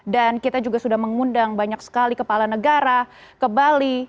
dan kita juga sudah mengundang banyak sekali kepala negara ke bali